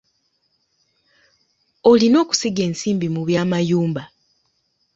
Olina okusiga ensimbi mu by'amayumba.